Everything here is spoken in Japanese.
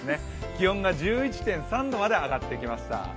気温が１１．３度まで上がってきました。